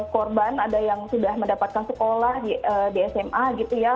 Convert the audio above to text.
korban ada yang sudah mendapatkan sekolah di sma gitu ya